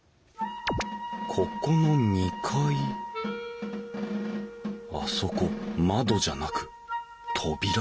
ここの２階あそこ窓じゃなく扉だ。